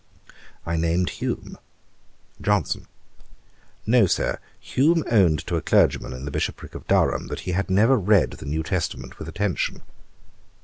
I named Hume. JOHNSON. 'No, Sir; Hume owned to a clergyman in the bishoprick of Durham, that he had never read the New Testament with attention.'